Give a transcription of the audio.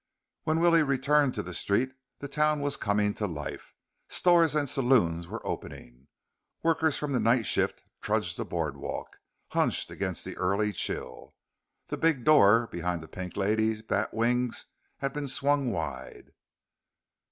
_ When Willie returned to the street, the town was coming to life. Stores and saloons were opening. Workers from the night shift trudged the boardwalk, hunched against the early chill. The big door behind the Pink Lady's batwings had been swung wide....